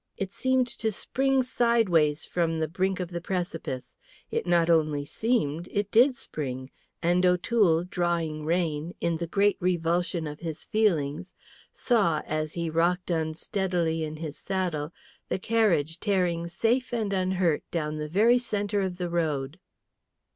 It seemed to spring sideways from the brink of the precipice. It not only seemed, it did spring; and O'Toole, drawing rein, in the great revulsion of his feelings, saw, as he rocked unsteadily in his saddle, the carriage tearing safe and unhurt down the very centre of the road.